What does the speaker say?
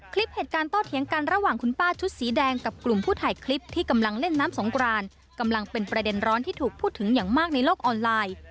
คลิปเหตุการณ์โตเถียงกันระหว่างคุณป้าชุดสีแดงกับกลุ่มผู้ถ่ายคลิปที่กำลังเล่นน้ำสงกรานกำลังเป็นประเด็นร้อนที่ถูกพูดถึงอย่างมากในโลกออนไลน์